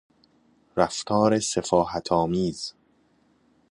رفتار سفاهت آمیز